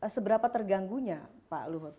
seberapa terganggunya pak luhut